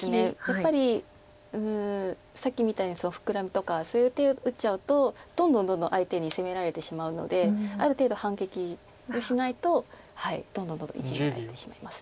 やっぱりさっきみたいにフクラミとかそういう手打っちゃうとどんどんどんどん相手に攻められてしまうのである程度反撃をしないとどんどんどんどんイジメられてしまいます。